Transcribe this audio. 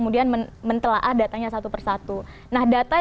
di platform instagram ya